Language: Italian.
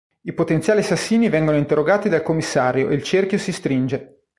I potenziali assassini vengono interrogati dal commissario e il cerchio si stringe.